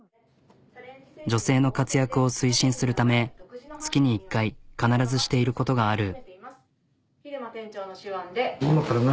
女性の活躍を推進するため月に１回必ずしていることがある。